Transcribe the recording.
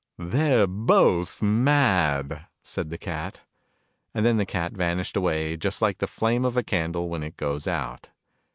" They're both mad !" said the Cat. And then the Cat vanished away, just like the flame of a candle when it goes out